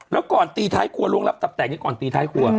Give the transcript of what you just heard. แล้วก่อนตีท้ายครัวล่วงรับตับแตกนี้ก่อนตีท้ายครัว